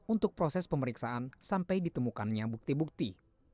untuk proses pemeriksaan sampai ditemukannya bukti bukti